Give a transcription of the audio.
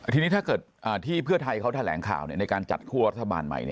ทีนี้ถ้าเกิดที่เพื่อไทยเขาแถลงข่าวในการจัดคั่วรัฐบาลใหม่